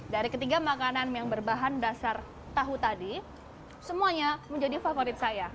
dari ketiga makanan yang berbahan dasar tahu tadi semuanya menjadi favorit saya